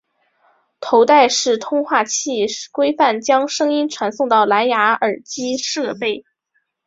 头戴式通话器规范将声音传送到蓝芽耳机设备。